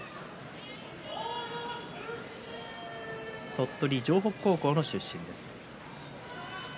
鳥取城北高校の出身です。